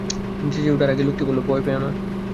তিনি চেঁচিয়ে ওঠার আগেই লোকটি বলল, ভয় পেও না।